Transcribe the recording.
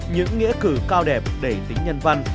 những nghĩa cử cao đẹp để tính nhân dân